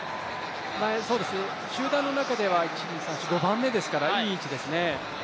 集団の中では５番目ですから、いい位置ですね。